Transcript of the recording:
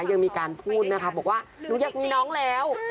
ยังมีการพูดนะคะบอกว่าหนูอยากมีน้องแล้ว